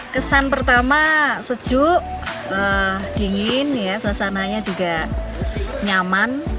kesan pertama sejuk dingin suasananya juga nyaman